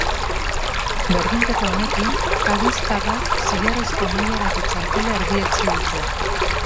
Berdinketa honekin, cadiztarrak zilarrezko mailarako txartela erdietsi dute.